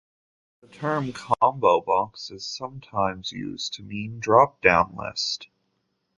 The term "combo box" is sometimes used to mean "drop-down list".